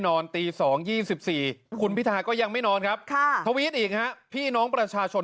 นอนตี๒๒๔คุณพิทาก็ยังไม่นอนครับทวิตอีกฮะพี่น้องประชาชน